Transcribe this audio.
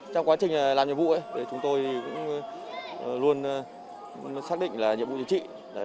trong quá trình làm nhiệm vụ chúng tôi luôn xác định là nhiệm vụ dịch trị